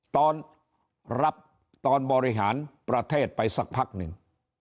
ตอนรับตอนบริหารประเทศไปสักพักหนึ่ง